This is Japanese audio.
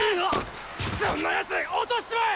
そんな奴落としちまえ！